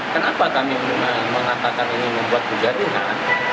kenapa kami menatakan ini membuat kejadian